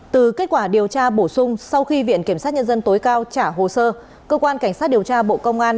từ kết quả điều tra bổ sung sau khi viện kiểm sát nhân dân tối cao trả hồ sơ cơ quan cảnh sát điều tra bộ công an